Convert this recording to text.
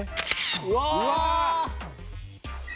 うわ！